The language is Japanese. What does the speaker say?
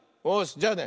じゃあね